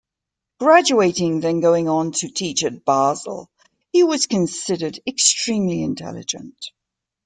Graduating, then going on to teach at Basel, he was considered extremely intelligent.